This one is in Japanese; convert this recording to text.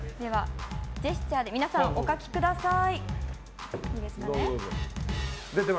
ジェスチャーで皆さんお書きください。